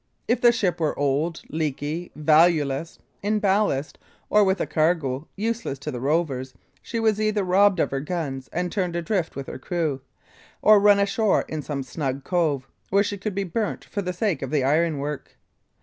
If the ship were old, leaky, valueless, in ballast, or with a cargo useless to the rovers, she was either robbed of her guns, and turned adrift with her crew, or run ashore in some snug cove, where she could be burnt for the sake of the iron work.